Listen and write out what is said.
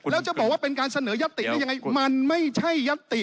แล้วจะบอกว่าเป็นการเสนอยัตติได้ยังไงมันไม่ใช่ยัตติ